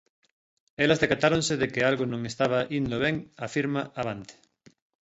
Elas decatáronse de que algo non estaba indo ben, afirma Avante.